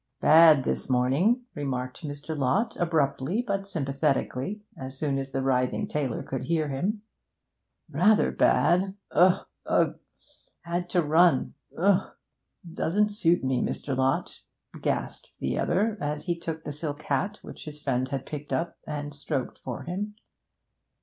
'Bad this morning,' remarked Mr. Lott, abruptly but sympathetically, as soon as the writhing tailor could hear him. 'Rather bad ugh, ugh! had to run ugh! doesn't suit me, Mr. Lott,' gasped the other, as he took the silk hat which his friend had picked up and stroked for him.